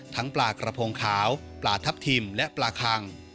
ปลากระพงขาวปลาทับทิมและปลาคัง